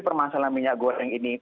permasalahan minyak goreng ini